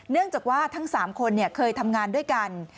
เนื่องจากว่าทั้ง๓คนเคยทำงานด้วยกัน